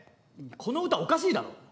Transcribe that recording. この歌おかしいだろ。